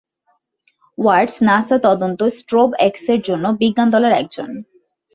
ওয়াটস NASA তদন্ত স্ট্রোব-এক্সের জন্য বিজ্ঞান দলের একজন।